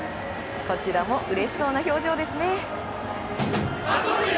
こちらもうれしそうな表情ですね。